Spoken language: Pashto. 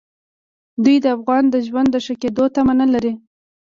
دوی د افغان د ژوند د ښه کېدو تمه نه لري.